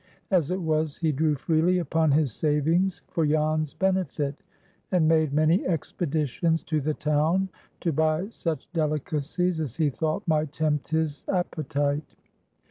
As it was, he drew freely upon his savings for Jan's benefit, and made many expeditions to the town to buy such delicacies as he thought might tempt his appetite.